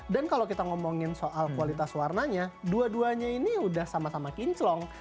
dan kalau kita ngomongin soal kualitas warnanya dua duanya ini udah sama sama kinclong